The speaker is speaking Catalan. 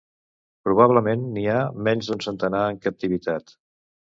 Probablement n'hi ha menys d'un centenar en captivitat.